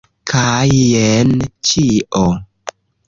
Kaj jen ĉio!